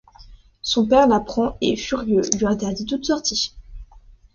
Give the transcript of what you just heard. Son père l'apprend et, furieux, lui interdit toute sortie.